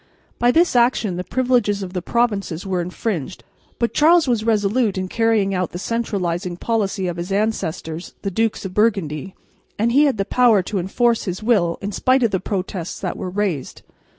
By this action the privileges of the provinces were infringed, but Charles was resolute in carrying out the centralising policy of his ancestors, the Dukes of Burgundy, and he had the power to enforce his will in spite of the protests that were raised.